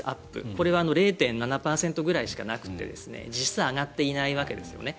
これは０．７％くらいしかなくて実質上がっていないわけですね。